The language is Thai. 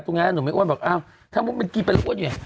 ตรงนี้หนูไม่อ้วนแบบอ้าวถ้ามันกินไปแล้วอ้วนอยู่ไง